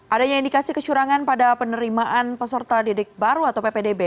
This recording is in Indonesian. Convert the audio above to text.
adanya indikasi kecurangan pada penerimaan peserta didik baru atau ppdb